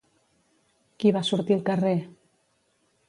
Qui va sortir al carrer?